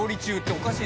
おかしい。